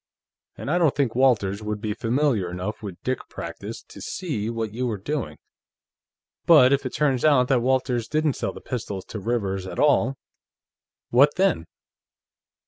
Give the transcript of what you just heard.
And I don't think Walters would be familiar enough with dick practice to see what you were doing. But if it turns out that Walters didn't sell the pistols to Rivers at all, what then?"